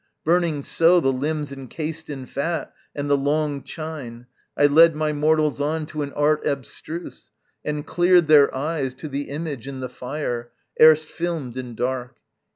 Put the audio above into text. Burning so The limbs encased in fat, and the long chine, I led my mortals on to an art abstruse, And cleared their eyes to the image in the fire, Erst filmed in dark.